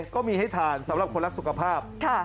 ก็มีให้ทานสำหรับคนลักษณ์สุขภาพค่ะ